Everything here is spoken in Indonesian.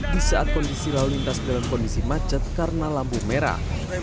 di saat kondisi lalu lintas dalam kondisi macet karena lampu merah